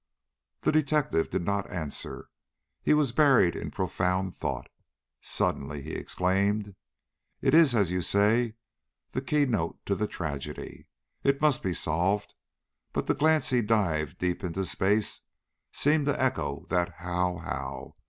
The detective did not answer. He was buried in profound thought. Suddenly he exclaimed: "It is, as you say, the key note to the tragedy. It must be solved." But the glance he dived deep into space seemed to echo that "How? how?"